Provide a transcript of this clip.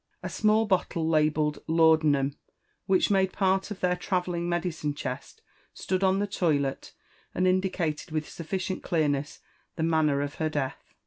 A small bottle, labelled "Laudanum," which made part of their travelling medicine chest, stood on the toilet, and indicated with suflicient clearness the manner of her death.